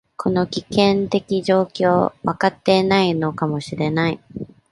この危機的状況、分かっていないのかもしれない。